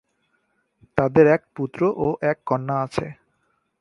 তাদের এক পুত্র ও এক কন্যা আছে।